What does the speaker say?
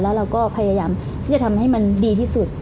แล้วเราก็พยายามที่จะทำให้มันดีที่สุด